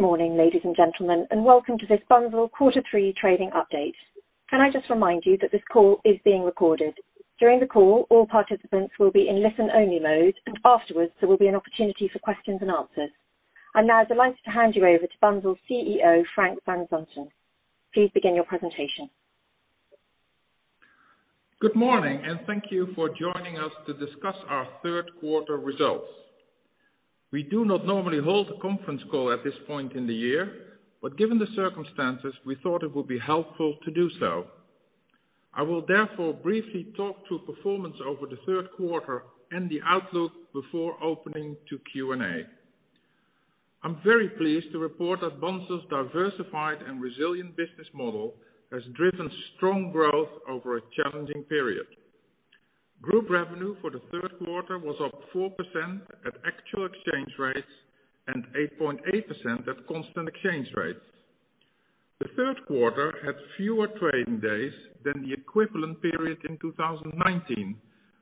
Morning, ladies and gentlemen, welcome to this Bunzl quarter three trading update. Can I just remind you that this call is being recorded. During the call, all participants will be in listen-only mode, and afterwards, there will be an opportunity for questions and answers. I'd now like to hand you over to Bunzl's CEO, Frank van Zanten. Please begin your presentation. Good morning. Thank you for joining us to discuss our third quarter results. We do not normally hold a conference call at this point in the year. Given the circumstances, we thought it would be helpful to do so. I will therefore briefly talk through performance over the third quarter and the outlook before opening to Q&A. I'm very pleased to report that Bunzl's diversified and resilient business model has driven strong growth over a challenging period. Group revenue for the third quarter was up 4% at actual exchange rates and 8.8% at constant exchange rates. The third quarter had fewer trading days than the equivalent period in 2019,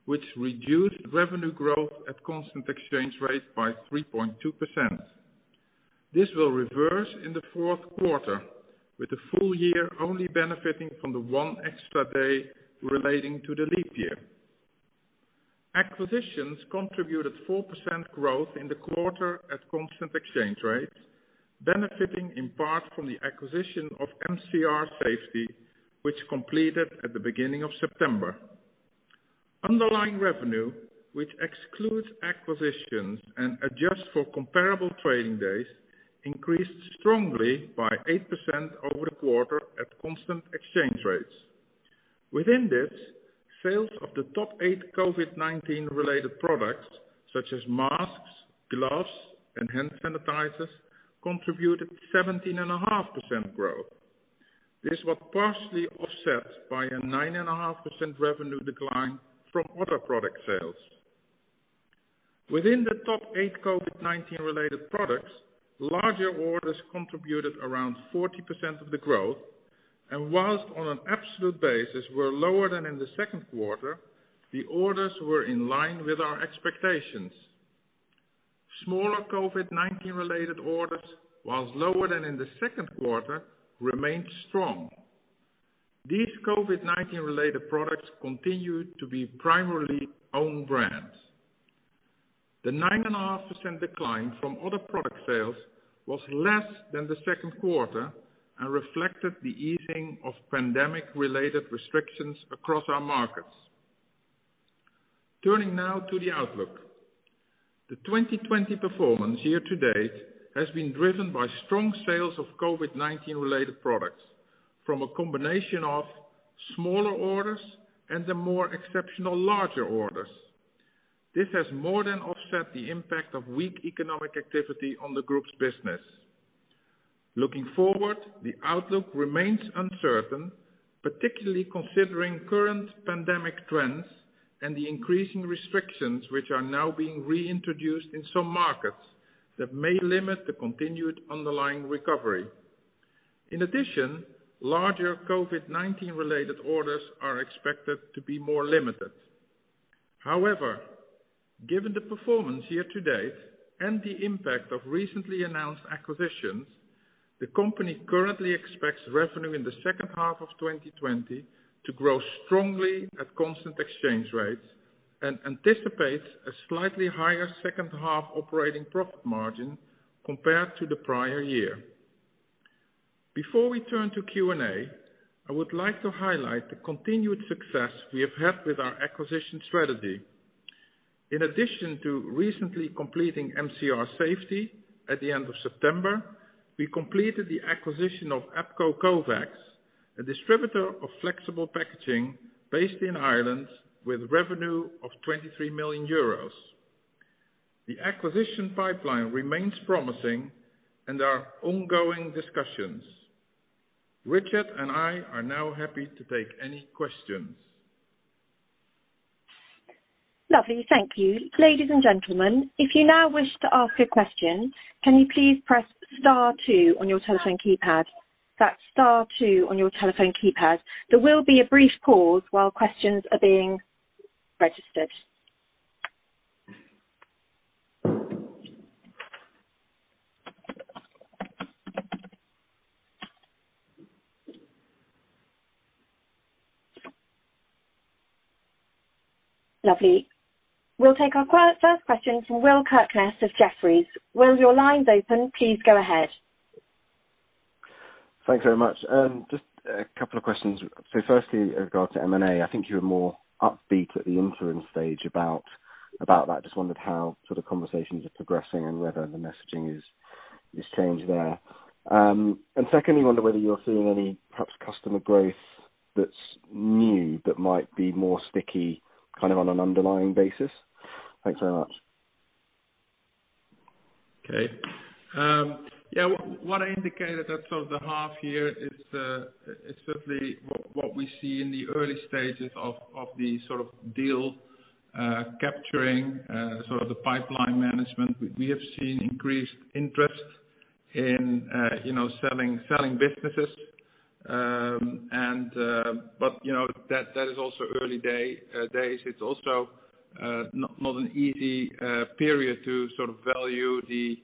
which reduced revenue growth at constant exchange rates by 3.2%. This will reverse in the fourth quarter, with the full year only benefiting from the one extra day relating to the leap year. Acquisitions contributed 4% growth in the quarter at constant exchange rates, benefiting in part from the acquisition of MCR Safety, which completed at the beginning of September. Underlying revenue, which excludes acquisitions and adjusts for comparable trading days, increased strongly by 8% over the quarter at constant exchange rates. Within this, sales of the top eight COVID-19 related products such as masks, gloves, and hand sanitizers contributed 17.5% growth. This was partially offset by a 9.5% revenue decline from other product sales. Within the top eight COVID-19 related products, larger orders contributed around 40% of the growth, and whilst on an absolute basis were lower than in the second quarter, the orders were in line with our expectations. Smaller COVID-19 related orders, whilst lower than in the second quarter, remained strong. These COVID-19 related products continued to be primarily own brands. The 9.5% decline from other product sales was less than the second quarter and reflected the easing of pandemic-related restrictions across our markets. Turning now to the outlook. The 2020 performance year to date has been driven by strong sales of COVID-19 related products from a combination of smaller orders and the more exceptional larger orders. This has more than offset the impact of weak economic activity on the group's business. Looking forward, the outlook remains uncertain, particularly considering current pandemic trends and the increasing restrictions which are now being reintroduced in some markets that may limit the continued underlying recovery. In addition, larger COVID-19 related orders are expected to be more limited. However, given the performance year to date and the impact of recently announced acquisitions, the company currently expects revenue in the second half of 2020 to grow strongly at constant exchange rates and anticipates a slightly higher second half operating profit margin compared to the prior year. Before we turn to Q&A, I would like to highlight the continued success we have had with our acquisition strategy. In addition to recently completing MCR Safety at the end of September, we completed the acquisition of Abco Kovex, a distributor of flexible packaging based in Ireland with revenue of 23 million euros. The acquisition pipeline remains promising and are ongoing discussions. Richard and I are now happy to take any questions. Lovely. Thank you. Ladies and gentlemen, if you now wish to ask a question, can you please press star two on your telephone keypad? That's star two on your telephone keypad. There will be a brief pause while questions are being registered. Lovely. We'll take our first question from Will Kirkness of Jefferies. Will, your line's open. Please go ahead. Thanks very much. Just a couple of questions. Firstly, in regard to M&A, I think you were more upbeat at the interim stage about that. Just wondered how sort of conversations are progressing and whether the messaging is changed there? Secondly, wonder whether you're seeing any, perhaps customer growth that's new that might be more sticky kind of on an underlying basis? Thanks very much. Okay. Yeah, what I indicated at sort of the half year is certainly what we see in the early stages of the sort of deal, capturing sort of the pipeline management. We have seen increased interest in selling businesses. That is also early days. It's also not an easy period to sort of value the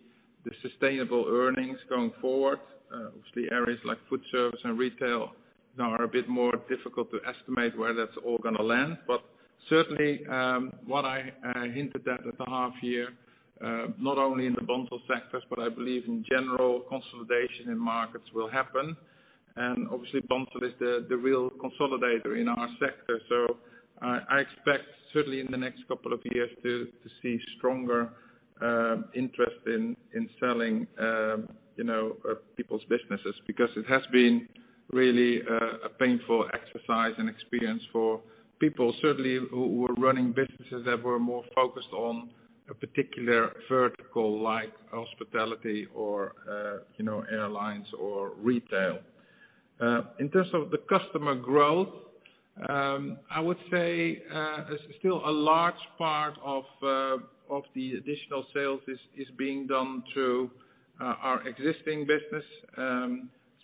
sustainable earnings going forward. Obviously, areas like food service and retail now are a bit more difficult to estimate where that's all going to land. Certainly, what I hinted at at the half year, not only in the Bunzl sectors, but I believe in general, consolidation in markets will happen. Obviously Bunzl is the real consolidator in our sector. I expect certainly in the next couple of years to see stronger interest in selling people's businesses, because it has been really a painful exercise and experience for people certainly who were running businesses that were more focused on a particular vertical like hospitality or airlines or retail. In terms of the customer growth, I would say still a large part of the additional sales is being done through our existing business.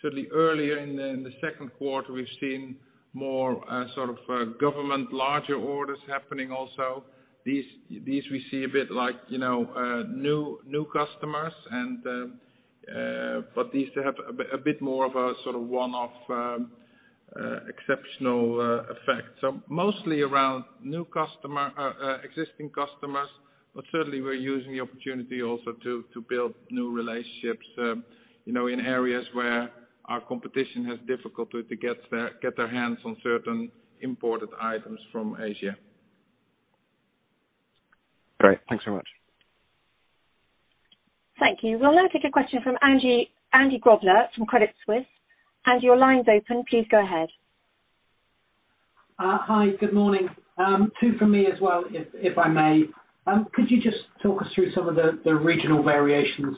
Certainly earlier in the second quarter, we've seen more sort of government larger orders happening also. These we see a bit like new customers, but these have a bit more of a sort of one-off exceptional effect. Mostly around existing customers. Certainly we're using the opportunity also to build new relationships in areas where our competition has difficulty to get their hands on certain imported items from Asia. Great. Thanks very much. Thank you. We'll now take a question from Andy Grobler from Credit Suisse. Andy, your line's open. Please go ahead. Hi. Good morning. Two from me as well, if I may. Could you just talk us through some of the regional variations,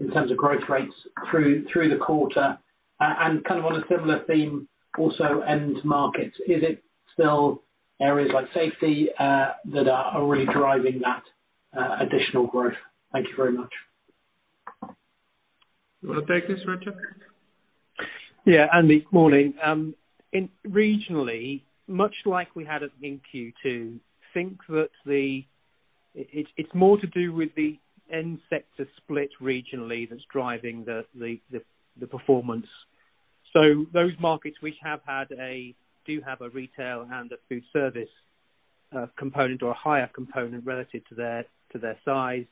in terms of growth rates through the quarter? Kind of on a similar theme, also end markets, is it still areas like safety that are really driving that additional growth? Thank you very much. You want to take this, Richard? Yeah, Andy, morning. Regionally, much like we had in Q2, I think that it's more to do with the end sector split regionally that's driving the performance. Those markets which do have a retail and a food service component or a higher component relative to their size,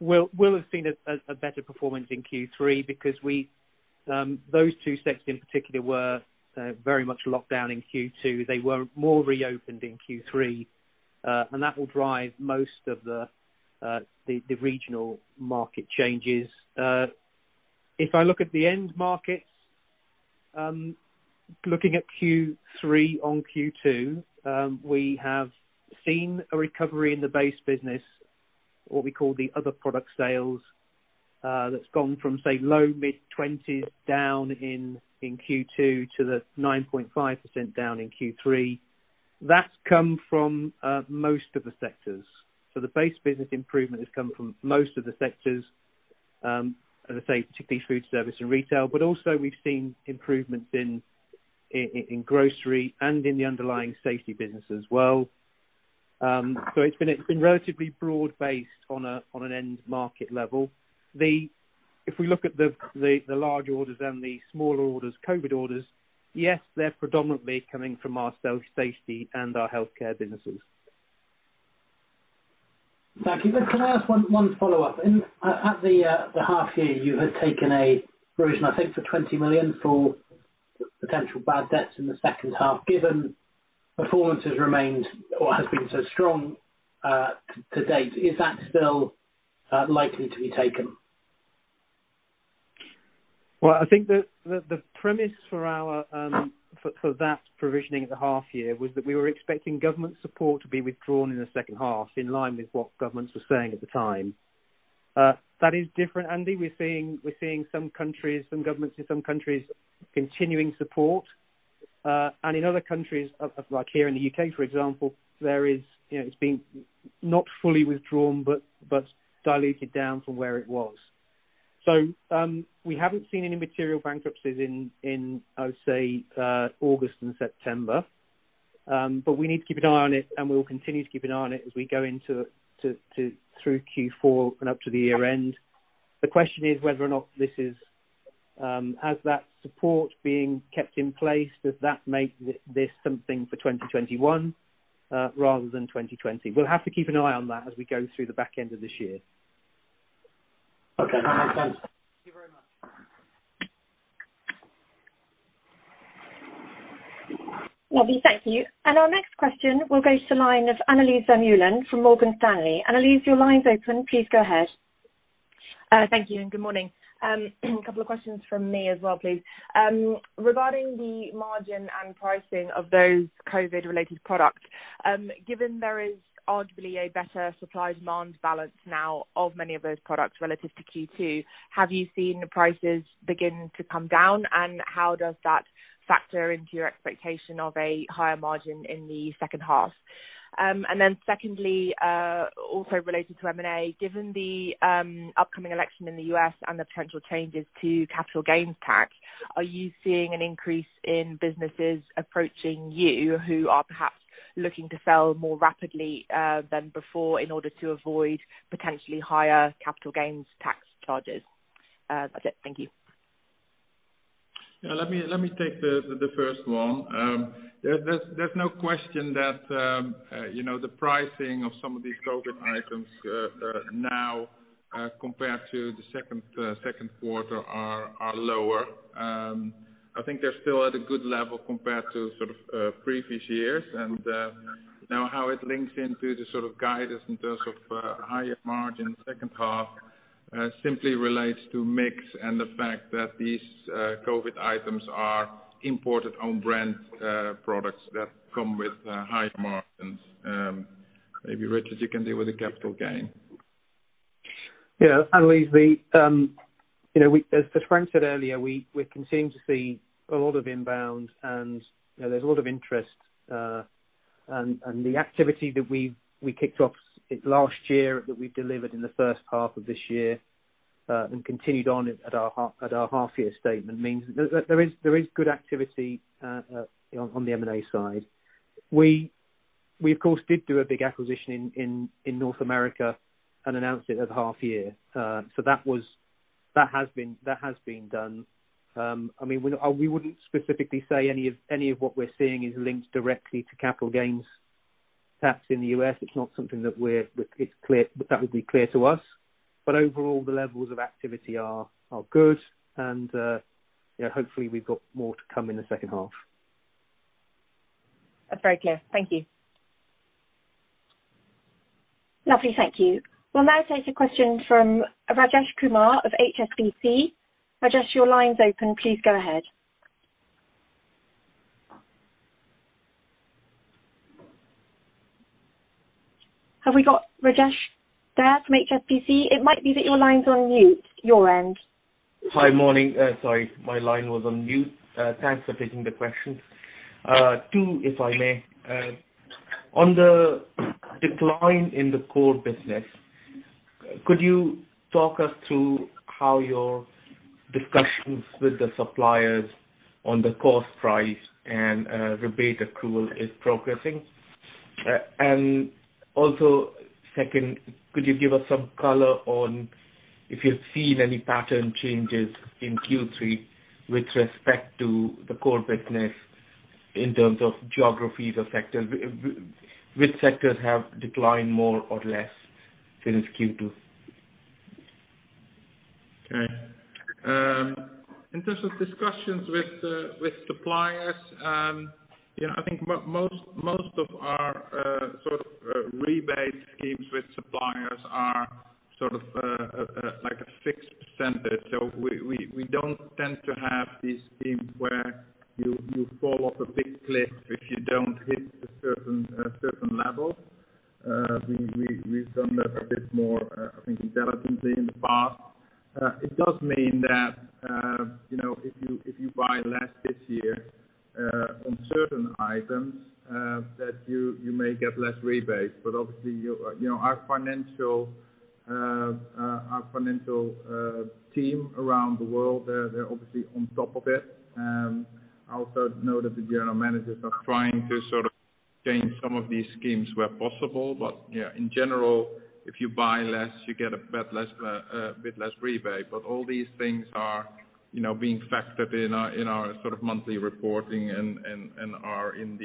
will have seen a better performance in Q3 because those two sectors in particular were very much locked down in Q2. They were more reopened in Q3. That will drive most of the regional market changes. If I look at the end markets, looking at Q3 on Q2, we have seen a recovery in the base business, what we call the other product sales, that's gone from, say, low mid-20s down in Q2 to the 9.5% down in Q3. That's come from most of the sectors. The base business improvement has come from most of the sectors, as I say, particularly food service and retail, but also we've seen improvements in grocery and in the underlying safety business as well. It's been relatively broad-based on an end market level. If we look at the large orders and the smaller orders, COVID orders, yes, they're predominantly coming from our safety and our healthcare businesses. Thank you. Can I ask one follow-up? At the half year, you had taken a provision, I think for 20 million for potential bad debts in the second half. Given performance has remained or has been so strong to date, is that still likely to be taken? I think the premise for that provisioning at the half year was that we were expecting government support to be withdrawn in the second half, in line with what governments were saying at the time. That is different, Andy Grobler. We're seeing some governments in some countries continuing support. In other countries, like here in the U.K., for example, it's been not fully withdrawn but diluted down from where it was. We haven't seen any material bankruptcies in, I would say, August and September. We need to keep an eye on it, and we will continue to keep an eye on it as we go through Q4 and up to the year-end. The question is whether or not as that support being kept in place, does that make this something for 2021 rather than 2020? We'll have to keep an eye on that as we go through the back end of this year. Okay. That makes sense. Lovely. Thank you. Our next question will go to the line of Annelies Vermeulen from Morgan Stanley. Annelies, your line's open. Please go ahead. Thank you, good morning. A couple of questions from me as well, please. Regarding the margin and pricing of those COVID-19 related products, given there is arguably a better supply-demand balance now of many of those products relative to Q2, have you seen prices begin to come down? How does that factor into your expectation of a higher margin in the second half. Secondly, also related to M&A, given the upcoming election in the U.S. and the potential changes to capital gains tax, are you seeing an increase in businesses approaching you who are perhaps looking to sell more rapidly than before in order to avoid potentially higher capital gains tax charges? That's it. Thank you. Yeah. Let me take the first one. There's no question that the pricing of some of these COVID items now compared to the second quarter are lower. I think they're still at a good level compared to previous years. Now how it links into the sort of guidance in terms of higher margin second half, simply relates to mix and the fact that these COVID items are imported own brand products that come with higher margins. Maybe Richard, you can deal with the capital gain. Yeah. Annelies, as Frank said earlier, we're continuing to see a lot of inbound and there's a lot of interest. The activity that we kicked off last year that we delivered in the first half of this year, and continued on at our half year statement means there is good activity on the M&A side. We, of course, did do a big acquisition in North America and announced it at half year. That has been done. We wouldn't specifically say any of what we're seeing is linked directly to capital gains tax in the U.S. It's not something that would be clear to us. Overall, the levels of activity are good and hopefully we've got more to come in the second half. That's very clear. Thank you. Lovely. Thank you. We'll now take a question from Rajesh Kumar of HSBC. Rajesh, your line's open. Please go ahead. Have we got Rajesh there from HSBC? It might be that your line's on mute, your end. Hi. Morning. Sorry, my line was on mute. Thanks for taking the question. Two, if I may. On the decline in the core business, could you talk us through how your discussions with the suppliers on the cost price and rebate accrual is progressing? Also second, could you give us some color on if you've seen any pattern changes in Q3 with respect to the core business in terms of geographies affected? Which sectors have declined more or less since Q2? Okay. In terms of discussions with suppliers, I think most of our rebate schemes with suppliers are like a fixed percentage, we don't tend to have these schemes where you fall off a big cliff if you don't hit a certain level. We've done that a bit more, I think, intelligently in the past. It does mean that if you buy less this year on certain items, that you may get less rebates. Obviously, our financial team around the world, they're obviously on top of it. I also know that the general managers are trying to change some of these schemes where possible. Yeah, in general, if you buy less, you get a bit less rebate. All these things are being factored in our monthly reporting and are in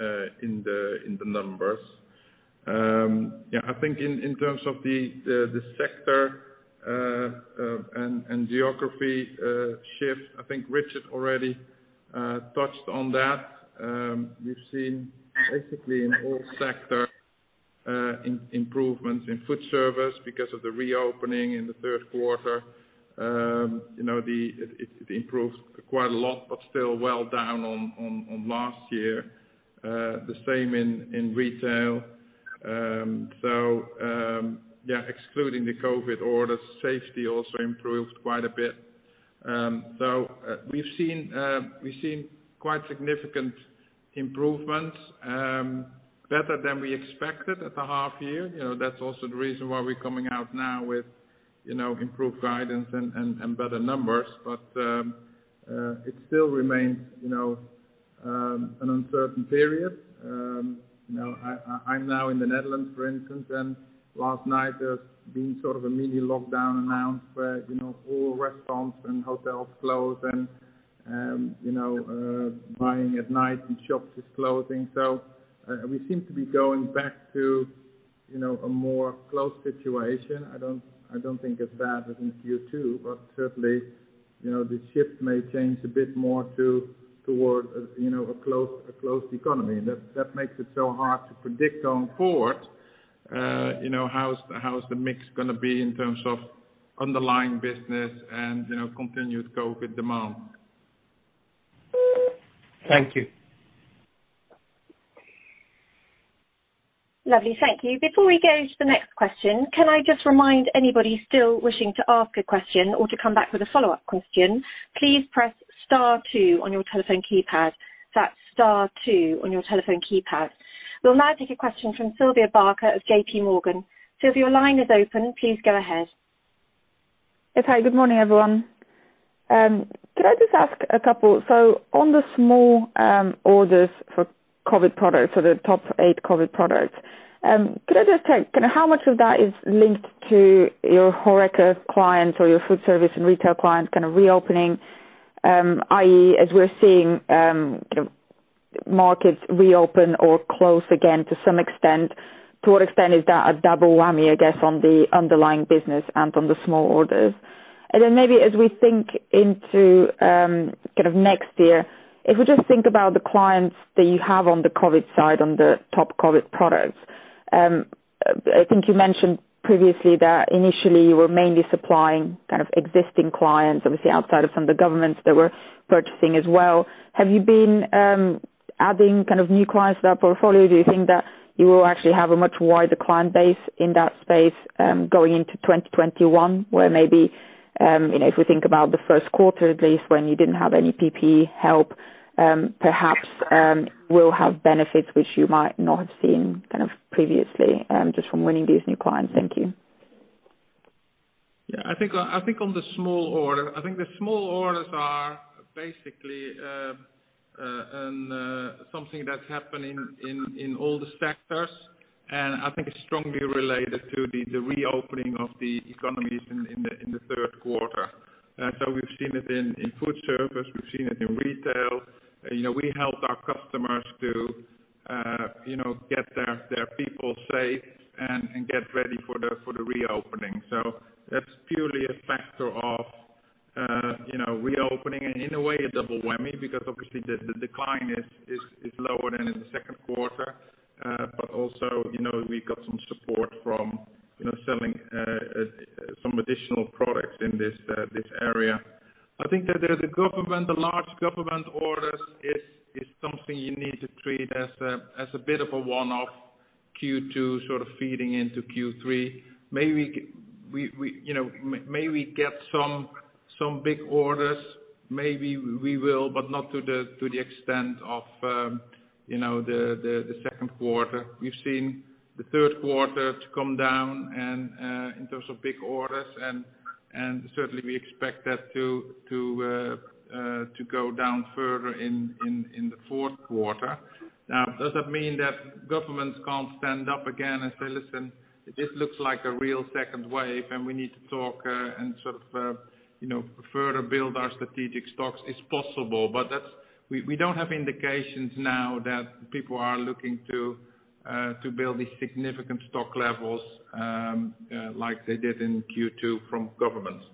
the numbers. Yeah. I think in terms of the sector and geography shift, I think Richard already touched on that. We've seen basically in all sectors improvements in food service because of the reopening in the third quarter. It improved quite a lot, still well down on last year. The same in retail. Yeah, excluding the COVID orders, safety also improved quite a bit. We've seen quite significant improvements, better than we expected at the half year. That's also the reason why we're coming out now with improved guidance and better numbers. It still remains an uncertain period. I'm now in the Netherlands, for instance, and last night there's been sort of a mini lockdown announced where all restaurants and hotels close and buying at night in shops is closing. We seem to be going back to a more closed situation. I don't think as bad as in Q2, but certainly the shift may change a bit more toward a closed economy. That makes it so hard to predict going forward how's the mix going to be in terms of underlying business and continued COVID-19 demand. Thank you Lovely. Thank you. Before we go to the next question, can I just remind anybody still wishing to ask a question or to come back with a follow-up question, please press star two on your telephone keypad. That's star two on your telephone keypad. We'll now take a question from Sylvia Barker of J.P. Morgan. Sylvia, your line is open. Please go ahead. Okay. Good morning, everyone. Could I just ask a couple? On the small orders for COVID-19 products, the top eight COVID-19 products, could I just check, how much of that is linked to your HoReCa clients or your food service and retail clients reopening, i.e., as we're seeing markets reopen or close again, to what extent is that a double whammy, I guess, on the underlying business and on the small orders? Then maybe as we think into next year, if we just think about the clients that you have on the COVID-19 side, on the top COVID-19 products. I think you mentioned previously that initially you were mainly supplying existing clients, obviously outside of some of the governments that were purchasing as well. Have you been adding new clients to that portfolio? Do you think that you will actually have a much wider client base in that space, going into 2021, where maybe, if we think about the first quarter at least, when you didn't have any PPE help, perhaps, will have benefits which you might not have seen previously, just from winning these new clients. Thank you. Yeah. I think the small orders are basically something that's happening in all the sectors, and I think it's strongly related to the reopening of the economies in the third quarter. We've seen it in food service, we've seen it in retail. We helped our customers to get their people safe and get ready for the reopening. That's purely a factor of reopening and in a way, a double whammy, because obviously the decline is lower than in the second quarter. Also, we got some support from selling some additional products in this area. I think that the large government orders is something you need to treat as a bit of a one-off Q2 sort of feeding into Q3. May we get some big orders? Maybe we will, but not to the extent of the second quarter. We've seen the third quarter come down in terms of big orders, and certainly we expect that to go down further in the fourth quarter. Now, does that mean that governments can't stand up again and say, "Listen, this looks like a real second wave, and we need to talk and sort of further build our strategic stocks"? It's possible, but we don't have indications now that people are looking to build these significant stock levels like they did in Q2 from governments.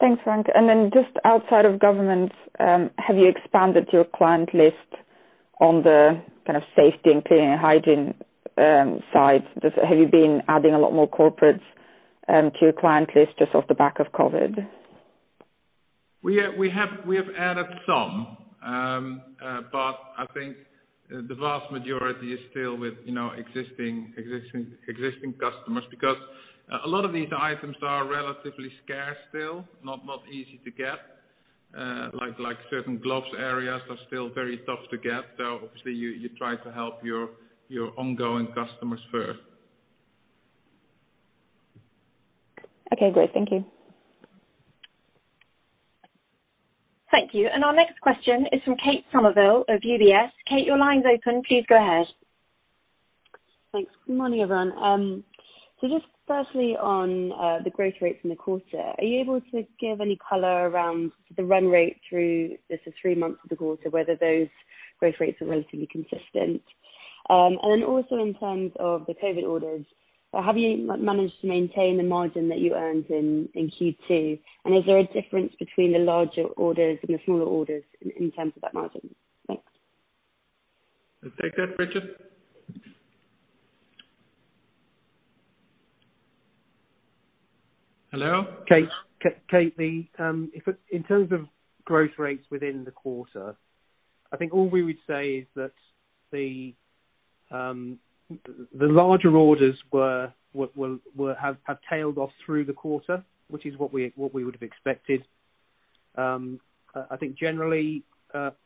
Thanks, Frank. Just outside of governments, have you expanded your client list on the safety and cleaning and hygiene side? Have you been adding a lot more corporates to your client list just off the back of COVID? We have added some. I think the vast majority is still with existing customers, because a lot of these items are relatively scarce still, not easy to get. Like certain gloves areas are still very tough to get. Obviously you try to help your ongoing customers first. Okay, great. Thank you. Thank you. Our next question is from Kate Somerville of UBS. Kate, your line's open. Please go ahead. Thanks. Good morning, everyone. Just firstly on the growth rates in the quarter. Are you able to give any color around the run rate through the three months of the quarter, whether those growth rates are relatively consistent? Also in terms of the COVID orders, have you managed to maintain the margin that you earned in Q2? Is there a difference between the larger orders and the smaller orders in terms of that margin? Thanks. You'll take that, Richard? Hello? Kate. In terms of growth rates within the quarter, I think all we would say is that the larger orders have tailed off through the quarter, which is what we would have expected. I think generally,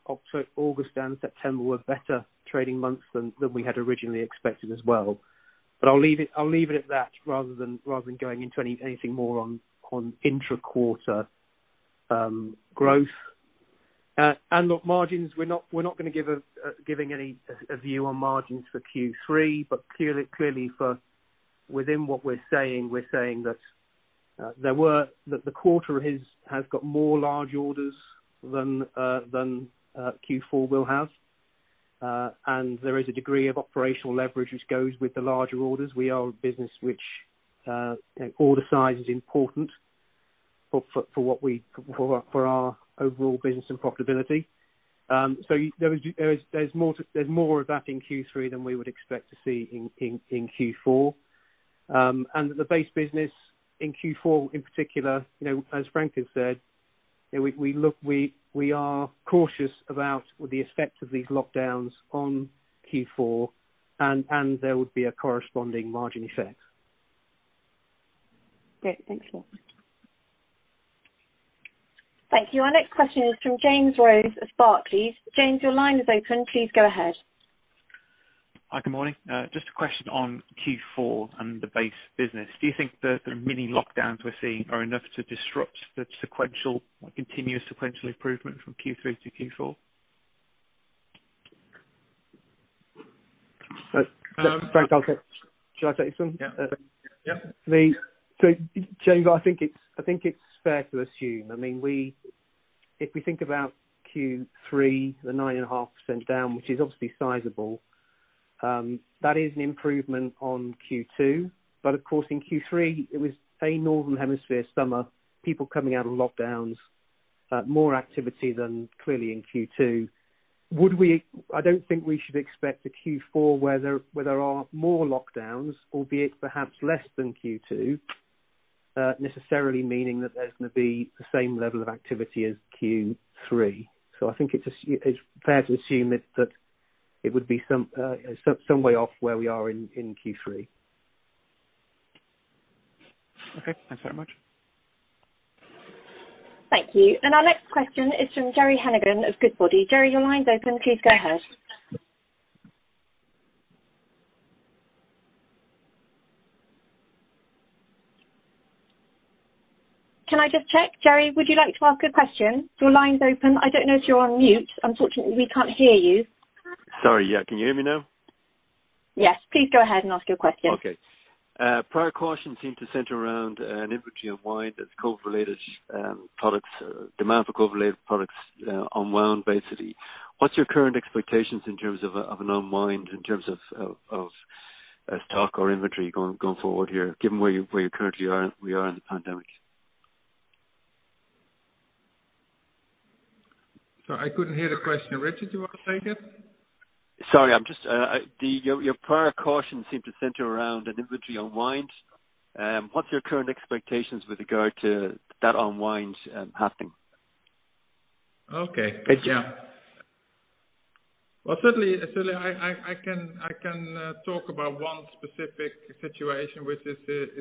August and September were better trading months than we had originally expected as well. I'll leave it at that rather than going into anything more on intra-quarter growth. Look, margins, we're not giving any view on margins for Q3, but clearly within what we're saying, we're saying that the quarter has got more large orders than Q4 will have. There is a degree of operational leverage which goes with the larger orders. We are a business which order size is important for our overall business and profitability. There's more of that in Q3 than we would expect to see in Q4. The base business in Q4 in particular, as Frank has said, we are cautious about the effect of these lockdowns on Q4, and there would be a corresponding margin effect. Great. Thanks a lot. Thank you. Our next question is from James Rose of Barclays. James, your line is open. Please go ahead. Hi, good morning. Just a question on Q4 and the base business. Do you think the mini lockdowns we're seeing are enough to disrupt the continuous sequential improvement from Q3-Q4? Frank, shall I take this one? Yeah. James, I think it's fair to assume. If we think about Q3, the 9.5% down, which is obviously sizeable, that is an improvement on Q2, but of course, in Q3, it was a Northern Hemisphere summer, people coming out of lockdowns, more activity than clearly in Q2. I don't think we should expect a Q4 where there are more lockdowns, albeit perhaps less than Q2, necessarily meaning that there's going to be the same level of activity as Q3. I think it's fair to assume that it would be some way off where we are in Q3. Okay. Thanks very much. Thank you. Our next question is from Gerry Hennigan of Goodbody. Gerry, your line's open. Please go ahead. Can I just check, Gerry, would you like to ask a question? Your line's open. I don't know if you're on mute. Unfortunately, we can't hear you. Sorry. Yeah. Can you hear me now? Yes. Please go ahead and ask your question. Okay. Prior caution seemed to center around an inventory unwind as COVID-related products, demand for COVID-related products unwind, basically. What's your current expectations in terms of an unwind in terms of stock or inventory going forward here, given where you currently are in the pandemic? Sorry, I couldn't hear the question. Richard, do you want to take it? Sorry. Your prior caution seemed to center around an inventory unwind. What's your current expectations with regard to that unwind happening? Okay. Yeah. Well, certainly, I can talk about one specific situation, which is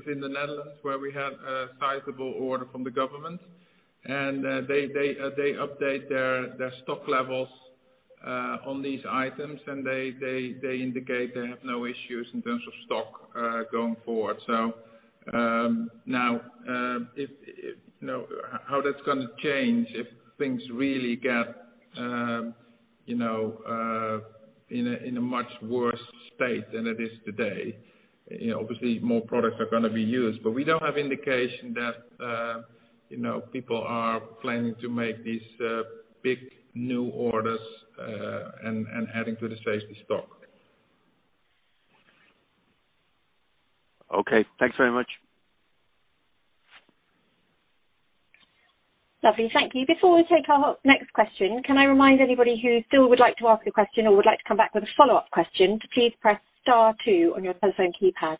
in the Netherlands, where we have a sizable order from the government, and they update their stock levels on these items, and they indicate they have no issues in terms of stock going forward. Now, how that's going to change if things really get in a much worse state than it is today, obviously, more products are going to be used. We don't have indication that people are planning to make these big new orders and adding to the safety stock. Okay. Thanks very much. Lovely. Thank you. Before we take our next question, can I remind anybody who still would like to ask a question or would like to come back with a follow-up question to please press star two on your telephone keypad.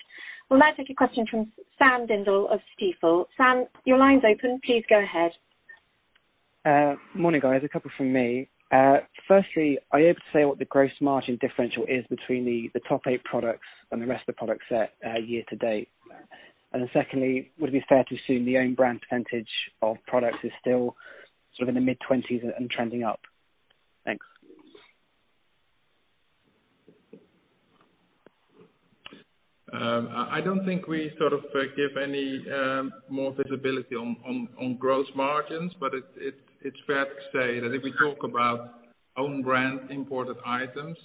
We'll now take a question from Sam Dindol of Stifel. Sam, your line's open. Please go ahead. Morning, guys. A couple from me. Firstly, are you able to say what the gross margin differential is between the top eight products and the rest of the product set year to date? Secondly, would it be fair to assume the own brand percentage of products is still sort of in the mid-twenties and trending up? Thanks. I don't think we give any more visibility on gross margins, but it's fair to say that if we talk about own brand imported items,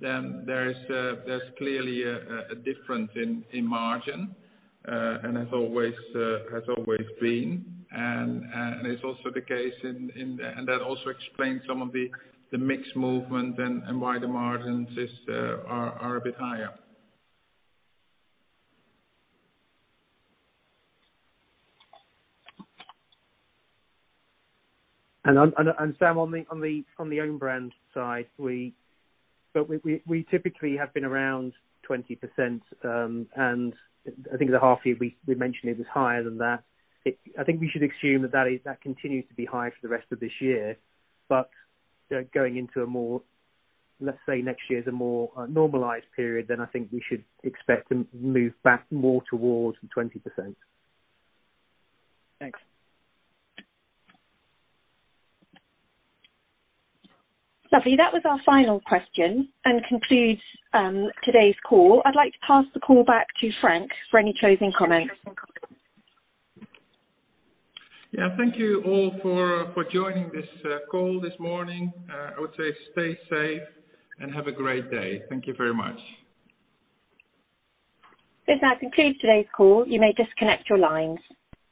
then there's clearly a difference in margin, and has always been. That also explains some of the mix movement and why the margins are a bit higher. Sam, on the own brand side, we typically have been around 20%, and I think the half year we mentioned it was higher than that. I think we should assume that continues to be high for the rest of this year. Going into a more, let's say, next year is a more normalized period, then I think we should expect to move back more towards 20%. Thanks. Lovely. That was our final question and concludes today's call. I'd like to pass the call back to Frank for any closing comments. Yeah. Thank you all for joining this call this morning. I would say stay safe and have a great day. Thank you very much. This now concludes today's call. You may disconnect your lines.